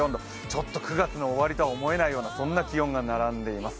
ちょっと９月の終わりとは思えないような気温が並んでいます。